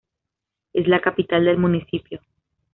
Es la capital del municipio.